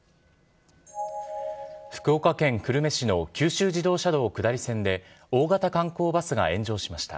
福岡県久留米市の九州自動車道下り線で、大型観光バスが炎上しました。